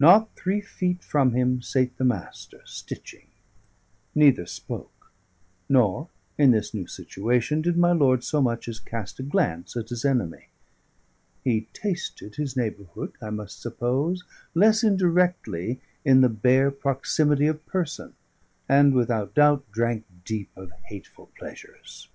Not three feet from him sate the Master, stitching. Neither spoke; nor (in this new situation) did my lord so much as cast a glance at his enemy. He tasted his neighbourhood, I must suppose, less indirectly in the bare proximity of person; and, without doubt, drank deep of hateful pleasures.